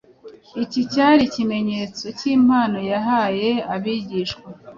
Iki cyari ikimenyetso cy’impano yahaye abigishwa